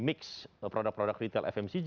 mix produk produk retail fmcg